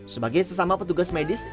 sebagai sesama petugas medis